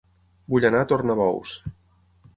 Vull anar a Tornabous